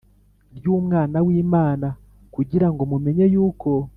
Ry umwana w imana kugira ngo mumenye yuko